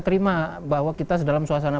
terima bahwa kita dalam suasana